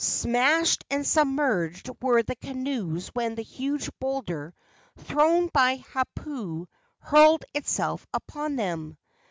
Smashed and submerged were the canoes when the huge boulder thrown by Hau pu hurled itself upon them.